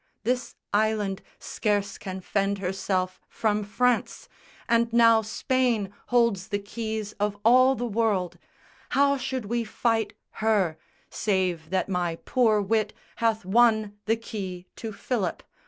This island scarce can fend herself from France, And now Spain holds the keys of all the world, How should we fight her, save that my poor wit Hath won the key to Philip?